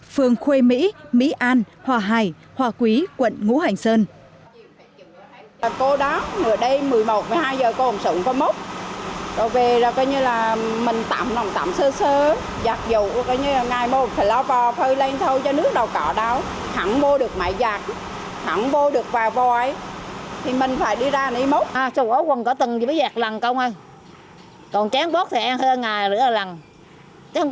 phường khuê mỹ mỹ an hòa hải hòa quý quận ngũ hành sơn